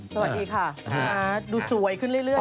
สวัสดีค่ะดูสวยขึ้นเรื่อย